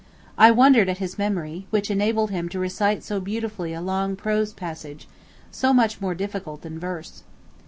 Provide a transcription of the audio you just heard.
I wondered at his memory, which enabled him to recite so beautifully a long prose passage, so much more difficult than verse.